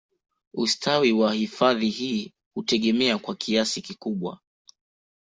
Ustawi wa hifadhi hii hutegemea kwa kiasi kikubwa